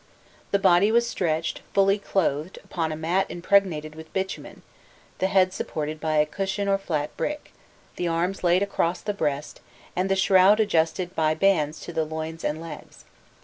The body was stretched, fully clothed, upon a mat impregnated with bitumen, the head supported by a cushion or flat brick, the arms laid across the breast, and the shroud adjusted by bands to the loins and legs.